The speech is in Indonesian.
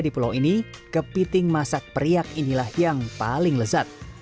di pulau ini kepiting masak periak inilah yang paling lezat